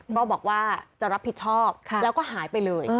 ก็บอกว่าจะรับผิดชอบแล้วก็หายไปเลย